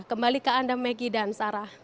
kembali ke anda maggie dan sarah